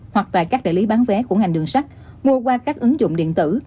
hoặc tại các đại lý bán vé của ngành đường sắt mua qua các ứng dụng điện tử